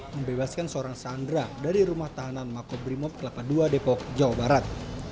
membebaskan seorang sandra dari rumah tahanan makobrimob kelapa ii depok jawa barat